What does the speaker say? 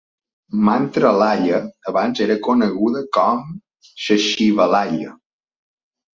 Mantralaya abans era coneguda com Sachivalaya.